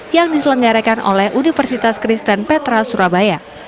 yang diselenggarakan oleh universitas kristen petra surabaya